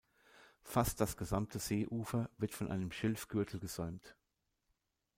Fast das gesamte Seeufer wird von einem Schilfgürtel gesäumt.